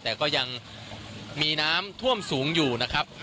แต่ก็ยังมีน้ำท่วมสูงอยู่นะครับ